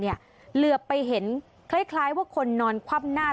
เหลือไปเห็นคล้ายว่าคนนอนคว่ำหน้า